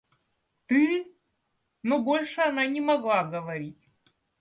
Ты... — но больше она не могла говорить.